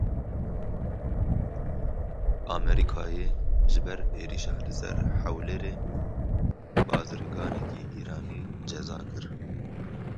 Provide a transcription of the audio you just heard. Amerîkayê ji ber êrişa li ser Hewlêrê bazirganekî Îranî ceza kir.